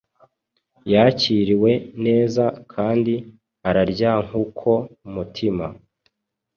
Yakiriwe neza kandi araryankuko umutima